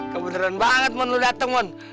kebenaran banget mon lu dateng mon